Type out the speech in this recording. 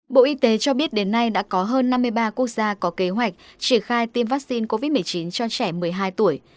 bộ y tế cho biết đến nay đã có hơn năm mươi ba quốc gia có kế hoạch triển khai tiêm vaccine covid một mươi chín cho trẻ một mươi hai tuổi